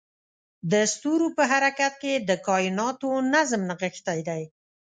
د ستورو په حرکت کې د کایناتو نظم نغښتی دی.